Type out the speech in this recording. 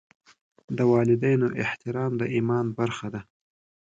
د والدینو احترام د ایمان برخه ده.